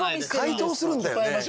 解答するんだよね？